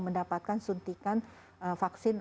mendapatkan suntikan vaksin